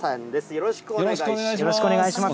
よろしくお願いします。